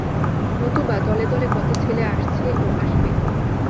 নতুবা দলে দলে কত ছেলে আসছে ও আসবে।